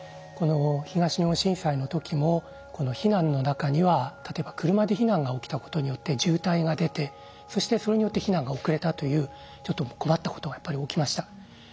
この東日本震災の時もこの避難の中には例えば車で避難が起きたことによって渋滞が出てそしてそれによって避難が遅れたというちょっと困ったことがやっぱり起きました。